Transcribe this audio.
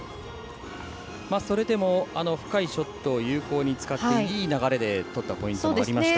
それでも、深いショットを有効に使っていい流れで取ったポイントもありました。